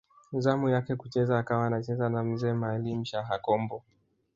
Zamu yake kucheza akawa anacheza na Mzee Maalim Shaha Kombo